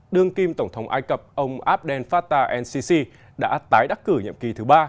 đương kim tổng thống ai cập ông abdel fattah ncc đã tái đắc cử nhiệm kỳ thứ ba